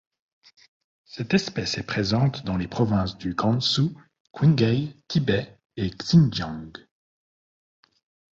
Cette espèce est présente dans les provinces du Gansu, Qinghai, Tibet et Xinjiang.